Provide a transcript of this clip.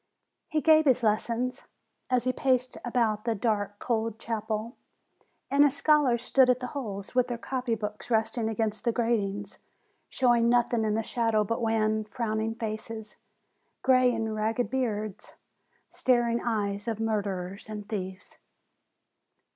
He gave his lessons as he paced about the dark, cold chapel, and his scholars stood at the holes, with their copy books resting against the gratings, showing noth ing in the shadow but wan, frowning faces, gray and ragged beards, staring eyes of murderers and thieves.